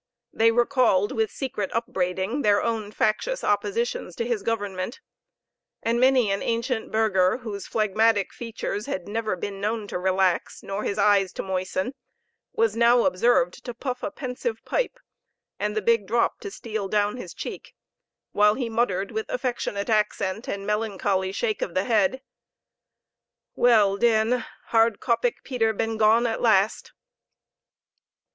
They recalled, with secret upbraiding, their own factious oppositions to his government; and many an ancient burgher, whose phlegmatic features had never been known to relax, nor his eyes to moisten, was now observed to puff a pensive pipe, and the big drop to steal down his cheek; while he muttered, with affectionate accent, and melancholy shake of the head, "Well, den! Hardkoppig Peter ben gone at last!"